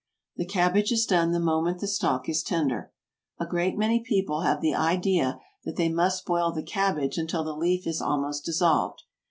The cabbage is done the moment the stalk is tender. A great many people have the idea that they must boil the cabbage until the leaf is almost dissolved.